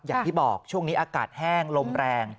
อย่างที่บอกช่วงนี้อากาศแห้งลมแรง